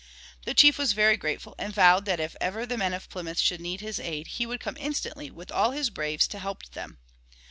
The chief was very grateful and vowed that if ever the men of Plymouth should need his aid he would come instantly with all his braves to help them.